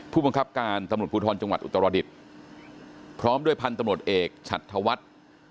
ผู้บังคับการตำรวจภูทรจังหวัดอุตรดิษฐ์พร้อมด้วยพันธุ์ตำรวจเอกฉัดธวัฒน์